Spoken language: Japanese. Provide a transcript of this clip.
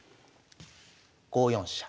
５四飛車。